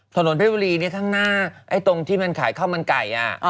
ถนนเพชรบุรีข้างหน้าไอ้ตรงที่มันขายข้าวมันไก่